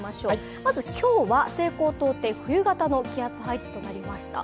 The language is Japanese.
まず今日は西高東低、冬型の気圧配置となりました。